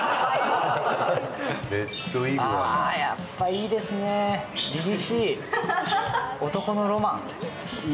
やっぱいいですね、りりしい。